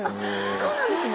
そうなんですね！